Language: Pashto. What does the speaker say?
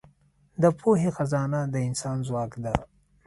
د پوهې خزانه د انسان ځواک ده.